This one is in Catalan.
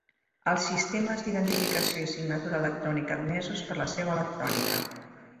Els sistemes d'identificació i signatura electrònica admesos per la seu electrònica.